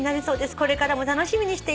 「これからも楽しみにしています。